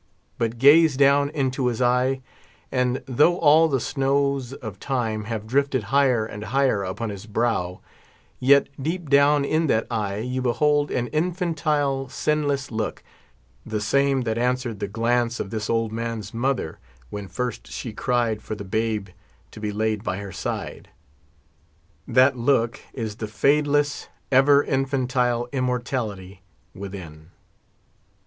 But gaze down into his eye, and though all the snows of Time have drifted higher and higher upon his brow, yet deep down in that eye you behold an infantile, sinless look, the same that answered the glance of this old man's mother when first she cried for the babe to be laid by her side. That look is the fadeless, ever infantile immortality within.